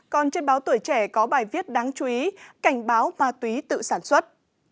còn trên báo tuổi trẻ có bài viết đáng chú ý cảnh báo ma túy tự sản xuất